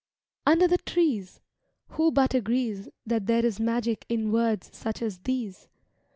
"UNDER the trees!" Who but agrees That there is magic in words such as these?